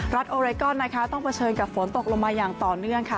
โอเรกอนนะคะต้องเผชิญกับฝนตกลงมาอย่างต่อเนื่องค่ะ